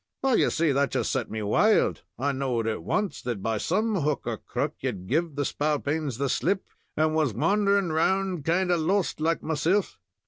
Well, you see, that just set me wild. I knowed at once that by some hook or crook you had give the spalpeens the slip, and was wandering round kind of lost like mysilf.